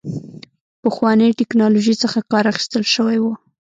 پخوانۍ ټکنالوژۍ څخه کار اخیستل شوی و.